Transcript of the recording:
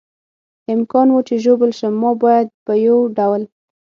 امکان و، چې ژوبل شم، ما باید په یو ډول.